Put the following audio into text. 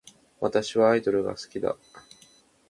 私はアイドルが好きだ